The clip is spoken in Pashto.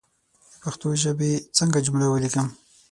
د پښتو ژبى څنګه جمله وليکم